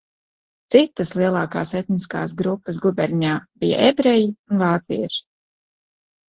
Citas lielākās etniskās grupas guberņā bija ebreji un vācieši.